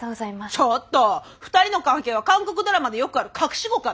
ちょっと２人の関係は韓国ドラマでよくある隠し子か何か？